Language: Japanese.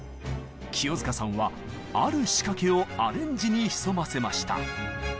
清塚さんはある仕掛けをアレンジに潜ませました。